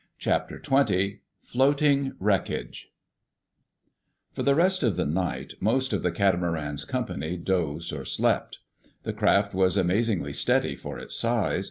CHAPTER TWENTY FLOATING WRECKAGE For the rest of the night, most of the catamaran's company dozed or slept. The craft was amazingly steady for its size.